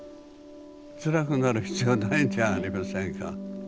つらくなる必要ないじゃありませんか。